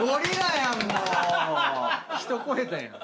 人超えたやん。